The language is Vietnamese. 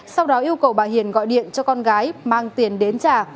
sau đó yêu cầu bà hiền gọi điện cho con gái mang tiền đến trả